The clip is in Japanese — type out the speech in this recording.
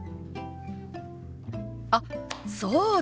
あっそうだ！